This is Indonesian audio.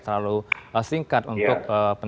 terlalu singkat untuk